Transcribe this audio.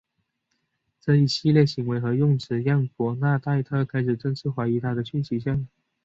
这一系列行为和用词让伯纳黛特开始正式怀疑他的性取向。